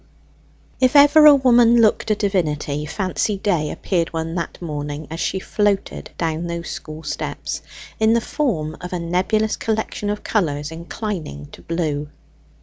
If ever a woman looked a divinity, Fancy Day appeared one that morning as she floated down those school steps, in the form of a nebulous collection of colours inclining to blue.